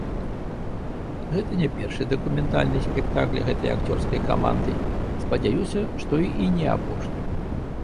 Гэта не першы дакументальны спектакль гэтай акцёрскай каманды, спадзяюся, што і не апошні.